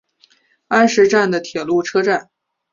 安食站的铁路车站。